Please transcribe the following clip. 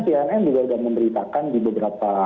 cnn juga sudah memberitakan di beberapa